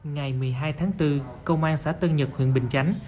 ngày một mươi hai tháng bốn công an xã tân nhật huyện bình chánh